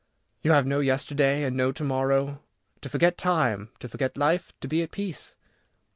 To have no yesterday, and no to morrow. To forget time, to forget life, to be at peace.